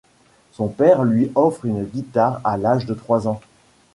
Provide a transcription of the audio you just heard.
Son père lui offre une guitare à l'âge de trois ans.